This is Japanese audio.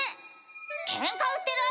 ケンカ売ってるわけ？